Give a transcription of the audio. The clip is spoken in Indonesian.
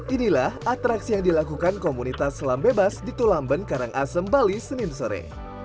inilah atraksi yang dilakukan komunitas selam bebas di tulamben karangasem bali senin sore